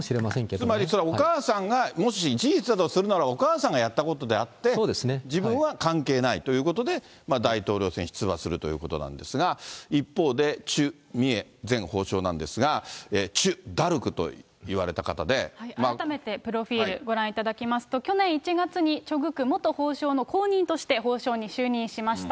つまり、それはお母さんがもし事実だとするならば、お母さんがやったことであって、自分は関係ないということで、大統領選出馬するということなんですが、一方で、チュ・ミエ前法相なんですが、改めてプロフィール、ご覧いただきますと、去年１月に、チョ・グク元法相の後任として法相に就任しました。